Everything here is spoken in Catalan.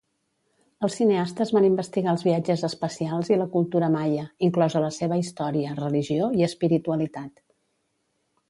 Els cineastes van investigar els viatges espacials i la cultura maia, inclosa la seva història, religió i espiritualitat.